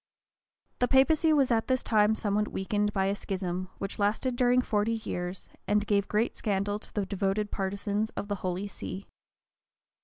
The papacy was at this time somewhat weakened by a schism, which lasted during forty years, and gave great scandal to the devoted partisans of the holy see.